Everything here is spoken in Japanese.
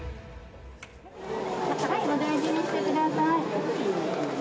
お大事にしてください。